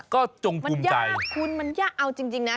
ก็จงคุมใจมันยากคุณมันยากเอาจริงนะ